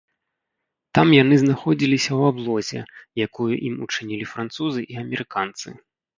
Там яны знаходзіліся ў аблозе, якую ім учынілі французы і амерыканцы.